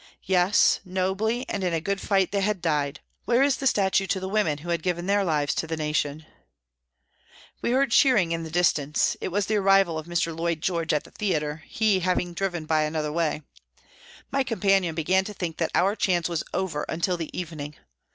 Yes, nobly, and in a good fight, they had died where is the statue NEWCASTLE 211 to the women who had given their lives to the nation ? We heard cheering in the distance, it was the arrival of Mr. Lloyd George at the theatre, he having driven by another way. My companion began to think that our chance was over until the evening.